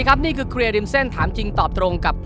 มันผมผมชอบจริงนะครับ